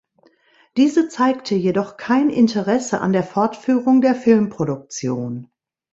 Diese zeigte jedoch kein Interesse an der Fortführung der Filmproduktion.